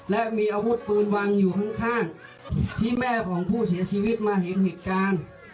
และมีอาวุธปืนวางอยู่ข้างที่แม่ของผู้เสียชีวิตมาเห็นเหตุการณ์